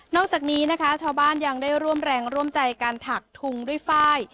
อกจากนี้นะคะชาวบ้านยังได้ร่วมแรงร่วมใจการถักทุงด้วยฝ้าย